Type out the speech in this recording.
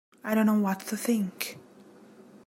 I do not know what to think.